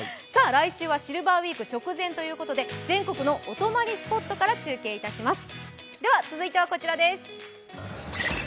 来週はシルバーウイーク直前ということで全国のお泊まりスポットから中継いたします。